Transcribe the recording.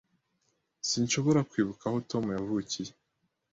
Sinshobora kwibuka aho Tom yavukiye.